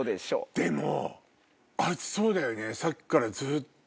でもあいつそうだよね。